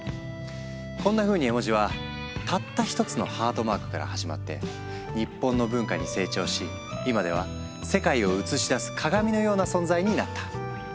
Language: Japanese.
こんなふうに絵文字はたった一つのハートマークから始まって日本の文化に成長し今では世界を映し出す鏡のような存在になった。